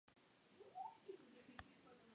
Un año más tarde su esposo murió.